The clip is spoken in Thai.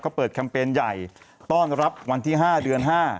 เขาเปิดแคมเปญใหญ่ต้อนรับวันที่๕เดือน๕